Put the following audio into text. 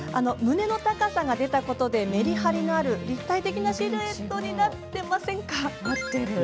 胸の高さが出たことでメリハリのある立体的なシルエットになっていませんか。